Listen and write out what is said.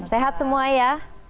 sehat semua ya